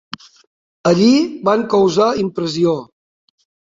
Allí van causar impressió.